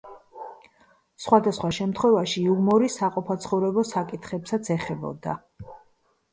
სხვადასხვა შემთხვევაში იუმორი საყოფაცხოვრებო საკითხებსაც ეხებოდა.